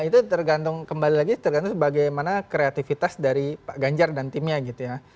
itu tergantung kembali lagi tergantung bagaimana kreativitas dari pak ganjar dan timnya gitu ya